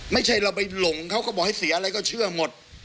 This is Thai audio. ไม่ใช่เราไปหลงเขาก็บอกให้เสียอะไรก็เชื่อหมด